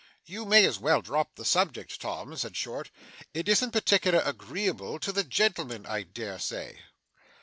'You may as well drop the subject, Tom,' said Short. 'It isn't particular agreeable to the gentleman, I dare say.